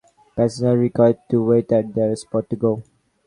Passengers are required to wait at their spot to go.